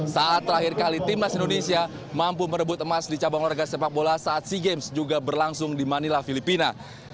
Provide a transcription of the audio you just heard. saat terakhir kali timnas indonesia mampu merebut emas di cabang olahraga sepak bola saat sea games juga berlangsung di manila filipina